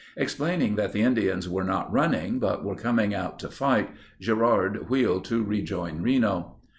Explaining that the Indians were not running but were coming out to fight, Gerard wheeled to rejoin Reno.